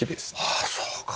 はあそうか。